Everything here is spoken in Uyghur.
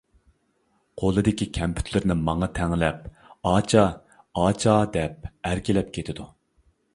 قولىدىكى كەمپۈتلىرىنى ماڭا تەڭلەپ: «ئاچا. ئاچا. » دەپ ئەركىلەپ كېتىدۇ.